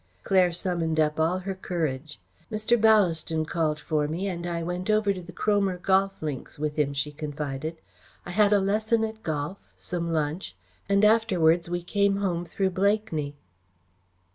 Claire summoned up all her courage. "Mr. Ballaston called for me and I went over to the Cromer Golf Links with him," she confided. "I had a lesson at golf, some lunch, and afterwards we came home through Blakeney."